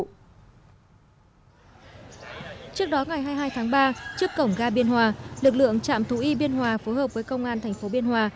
trước đó ngày hai mươi hai tháng ba trước cổng ga biên hòa lực lượng trạm thú y biên hòa phối hợp với công an thành phố biên hòa